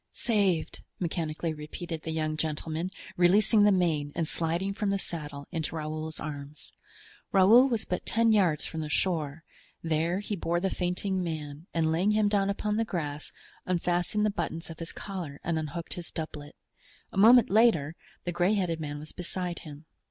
"Saved!" mechanically repeated the young gentleman, releasing the mane and sliding from the saddle into Raoul's arms; Raoul was but ten yards from the shore; there he bore the fainting man, and laying him down upon the grass, unfastened the buttons of his collar and unhooked his doublet. A moment later the gray headed man was beside him.